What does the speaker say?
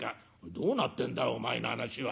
「どうなってんだお前の話は。